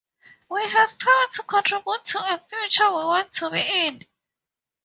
We have power to contribute to a future we want to be in.